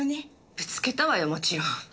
ぶつけたわよもちろん。